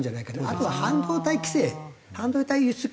あとは半導体規制半導体輸出規制。